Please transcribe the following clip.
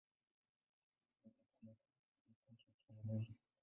Ni makao makuu ya kaunti ya Trans-Nzoia.